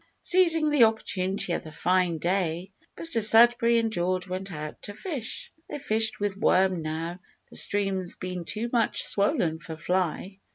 Seizing the opportunity of the fine day, Mr Sudberry and George went out to fish. They fished with worm now, the streams being too much swollen for fly.